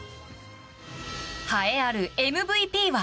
栄えあるＭＶＰは。